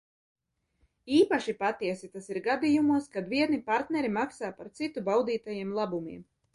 Īpaši patiesi tas ir gadījumos, kad vieni partneri maksā par citu baudītajiem labumiem.